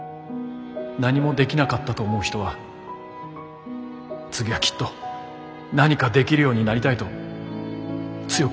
何もできなかったと思う人は次はきっと何かできるようになりたいと強く思うでしょ？